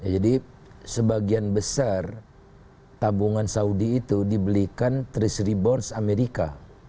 jadi sebagian besar tabungan saudi itu dibelikan treasury bonds amerika